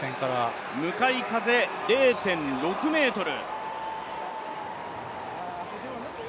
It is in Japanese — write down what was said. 向かい風０．６メートル。